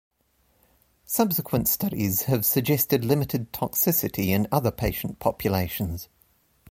Subsequent studies have suggested limited toxicity in other patient populations.